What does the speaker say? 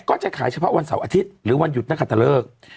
ก็จะขายเฉพาะวันเสาร์อาทิตย์หรือวันหยุดนักขัตเลิก